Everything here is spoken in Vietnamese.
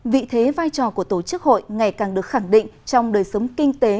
vị thế vai trò của tổ chức hội ngày càng được khẳng định trong đời sống kinh tế